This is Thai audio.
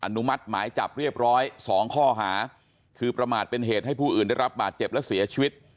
นุมัติหมายจับเรียบร้อยสองข้อหาคือประมาทเป็นเหตุให้ผู้อื่นได้รับบาดเจ็บและเสียชีวิต